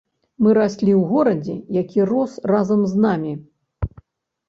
Мы раслі ў горадзе, які рос разам з намі.